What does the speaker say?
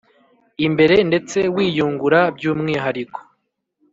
Imbere ndetse wiyungura by umwihariko